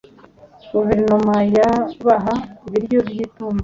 guverinoma yabaha ibiryo by'itumba